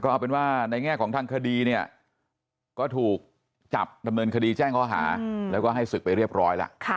เอาเป็นว่าในแง่ของทางคดีเนี่ยก็ถูกจับดำเนินคดีแจ้งข้อหาแล้วก็ให้ศึกไปเรียบร้อยแล้ว